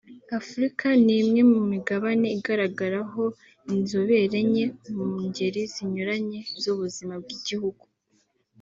Afurika ni umwe mu migabane igaragaraho inzobere nke mu ngeri zinyuranye z’ubuzima bw’igihugu